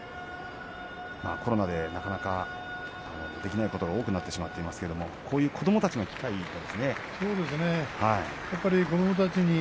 コロナでなかなかできないことが多くなっていますがこういう子どもたちの機会を。